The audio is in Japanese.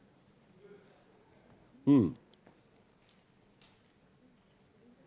うん。